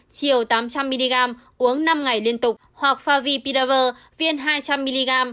chiều tám trăm linh mg uống năm ngày liên tục hoặc favipidavir viên hai trăm linh mg